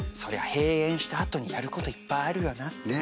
閉園したあとにやる事いっぱいあるよなって。